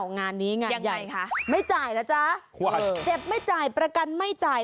งานนี้งานยังไงคะไม่จ่ายนะจ๊ะเจ็บไม่จ่ายประกันไม่จ่าย